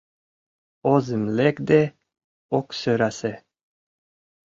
Озым лекде ок сӧрасе.